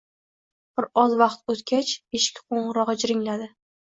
Bir oz vaqt o`tgach, eshik qo`ng`irog`i jiringladi